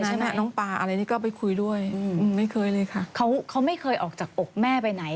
ชนะน้องปลาอะไรนี่ก็ไปคุยด้วยอืมไม่เคยเลยค่ะเขาเขาไม่เคยออกจากอกแม่ไปไหน